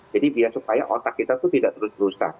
jadi biar supaya otak kita tuh tidak terus terusan